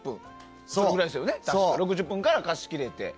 ６０分から貸し切れて。